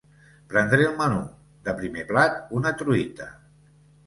Prendré el menú: de primer plat, una truita.